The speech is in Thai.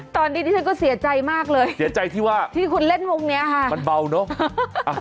ตอนนี้ฉันก็เสียใจมากเลยเสียใจที่ว่ามันเบาเนอะที่คุณเล่นวงเนี่ย